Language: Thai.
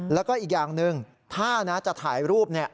แล้วก็อีกอย่างหนึ่งถ้านะจะถ่ายรูป